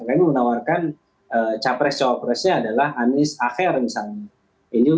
ini menawarkan cawapres cawapresnya adalah anies aher misalnya